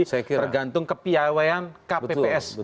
tergantung kepiawaan kpps